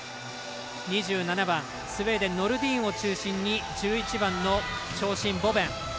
２７番、スウェーデンノルディーンを中心に１１番の長身、ボベン。